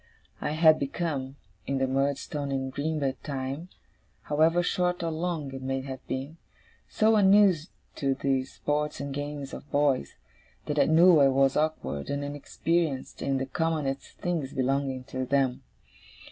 I had become, in the Murdstone and Grinby time, however short or long it may have been, so unused to the sports and games of boys, that I knew I was awkward and inexperienced in the commonest things belonging to them.